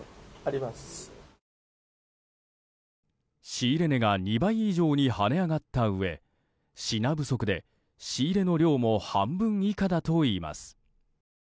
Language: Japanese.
仕入れ値が２倍以上に跳ね上がったうえ品不足で、仕入れの量も半分以下だといいます。